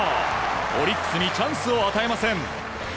オリックスにチャンスを与えません。